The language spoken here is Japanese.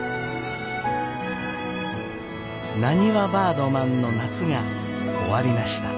なにわバードマンの夏が終わりました。